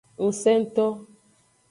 Ngsento.